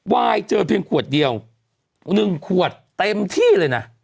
ไหว้เจอเษ็บหนึ่งขวดเดียว๑ขวดเต็มที่เลยน่ะ